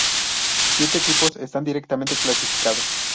Siete equipos están directamente clasificados.